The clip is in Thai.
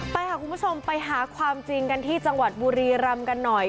ไปค่ะคุณผู้ชมไปหาความจริงกันที่จังหวัดบุรีรำกันหน่อย